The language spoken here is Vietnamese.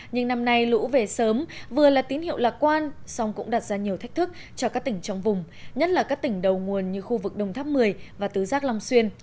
nhưng năm nay lũ về sớm vừa là tín hiệu lạc quan song cũng đặt ra nhiều thách thức cho các tỉnh trong vùng nhất là các tỉnh đầu nguồn như khu vực đông tháp một mươi và tứ giác long xuyên